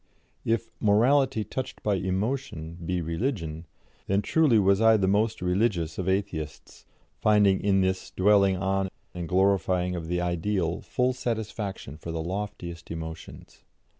If "morality touched by emotion" be religion, then truly was I the most religious of Atheists, finding in this dwelling on and glorifying of the Ideal full satisfaction for the loftiest emotions.